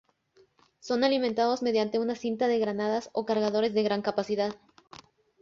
Son alimentados mediante una cinta de granadas o cargadores de gran capacidad.